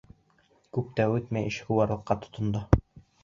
Күп тә үтмәй, эшҡыуарлыҡҡа тотондо.